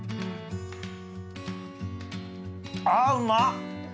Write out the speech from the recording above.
あうまっ！